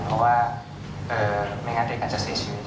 เพราะว่าไม่งั้นเด็กก็อาจจะผ่านชีวิตนะครับ